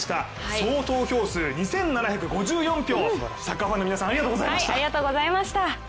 総投票数２７５４票、サッカーファンの皆さん、ありがとうございました。